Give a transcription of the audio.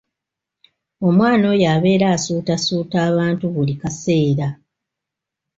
Omwana oyo abeera asuutasuuta abantu buli kaseera.